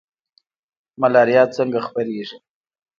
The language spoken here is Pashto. ملاریا څنګه خپریږي؟